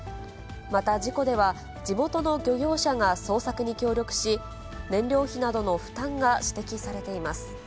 また、事故では、地元の漁業者が捜索に協力し、燃料費などの負担が指摘されています。